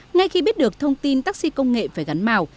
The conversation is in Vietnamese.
ngay khi biết được thông tin taxi công nghệ phải gắn màu